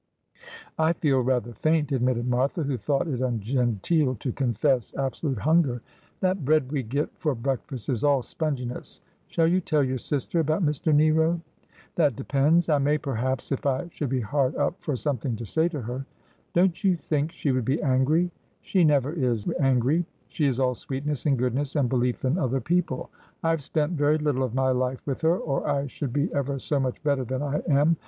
'I feel rather faint,"' admitted Martha, who thought it un genteel to confess absolute hunger. 'That bread we get for breakfast is all sponginess. Shall you tell your sister about Mr Nero ?'' That depends. I may, perhaps, if I should be hard up for something to say to her.' 36 Asphodel. ' Don't you think she would be angry ?'' She never is angry. She is all sweetness and goodness, and belief in other people. I have spent very little of my life with her, or I should be ever so much better than I am.